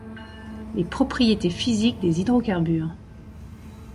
Les propriétés physiques des hydrocarbures.